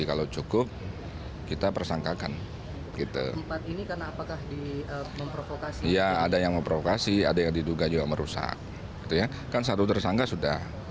ada yang memprovokasi ada yang diduga juga merusak kan satu tersangka sudah